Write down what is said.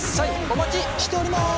お待ちしております！